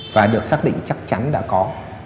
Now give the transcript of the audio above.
và được xác định chắc chắn đã có